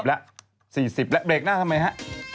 แล้ว๔๐แล้วเบรกหน้าทำไมฮะ